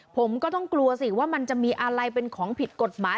ผมก็ต้องกลัวสิว่ามันจะมีอะไรเป็นของผิดกฎหมาย